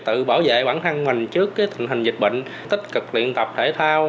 tự bảo vệ bản thân mình trước tình hình dịch bệnh tích cực luyện tập thể thao